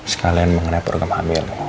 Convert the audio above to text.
sekalian mengenai program hamil ya